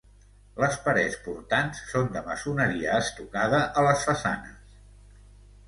Les parets portants són de maçoneria estucada a les façanes.